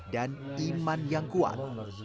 dan iman yang kuat